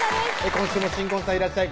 今週も新婚さんいらっしゃい！